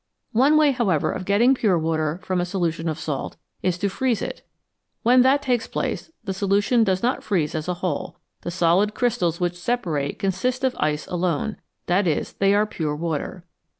One way, however, of getting pure water from a solution of salt is to freeze it ; when that takes place the solution does not freeze as a whole ; the solid crystals which separate consist of ice alone that is, they are pure water.